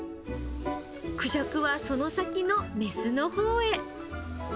クジャクはその先の雌のほうへ。